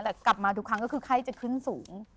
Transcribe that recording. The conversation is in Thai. แต่กลับมาทุกครั้งก็คือไข้จะขึ้นสูง